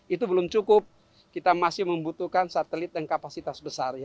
itu belum cukup kita masih membutuhkan satelit yang kapasitas besar